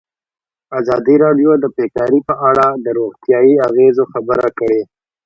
ازادي راډیو د بیکاري په اړه د روغتیایي اغېزو خبره کړې.